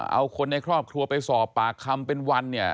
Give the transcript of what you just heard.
เอาคนในครอบครัวไปสอบปากคำเป็นวันเนี่ย